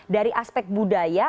dari aspek budaya